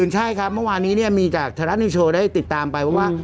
ใช่ครับเมื่อวานี้มีจากธรรมดิโชว์ได้ติดตามไปว่า